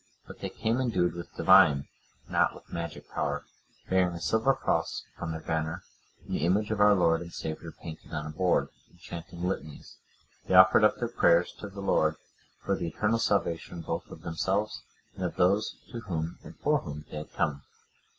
But they came endued with Divine, not with magic power, bearing a silver cross for their banner, and the image of our Lord and Saviour painted on a board; and chanting litanies, they offered up their prayers to the Lord for the eternal salvation both of themselves and of those to whom and for whom they had come.